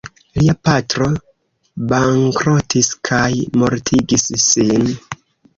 Lia patro bankrotis kaj mortigis sin.